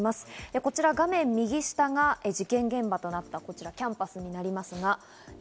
こちら、画面右下が事件現場となったキャンパスになります。